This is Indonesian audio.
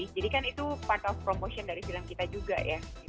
jadi kan itu part of promotion dari film kita juga ya